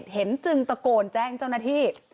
เห็นจึงตะโกนแจ้งเจ้านาที่